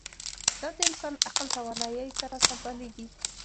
دا د انسان عقل توانایۍ سره سمبالېږي.